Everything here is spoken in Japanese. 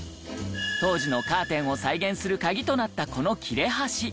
当時のカーテンを再現するカギとなったこの切れ端。